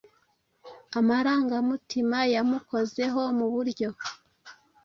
Amarangamutima yamukozeho muburyo